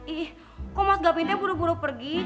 ih kok mas gavindnya buru buru pergi